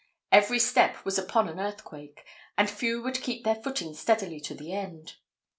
Every step was upon an earthquake, and few could keep their footing steadily to the end.